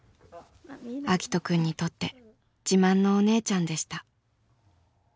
あきと君にとって自慢のお姉ちゃんでした。